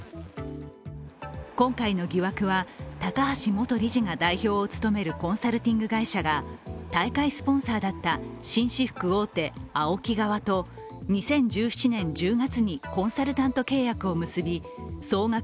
今回の疑惑は高橋元理事が代表を務めるコンサルティング会社が、大会スポンサーだった紳士服大手・ＡＯＫＩ側と２０１７年１０月にコンサルタント契約を結び総額